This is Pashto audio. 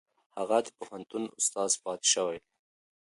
هغې د پوهنتون استاده پاتې شوې ده.